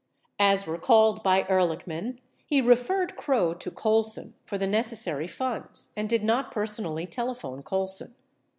68 As recalled by Ehrlichman, he referred Krogh to Colson for the necessary funds and did not per sonally telephone Colson.